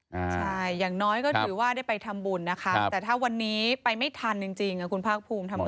ใช่อย่างน้อยก็ถือว่าได้ไปทำบุญนะคะแต่ถ้าวันนี้ไปไม่ทันจริงคุณภาคภูมิ